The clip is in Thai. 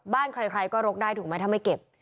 บ้านใครก็รกได้ถูกไหมถ้าไม่เก็บ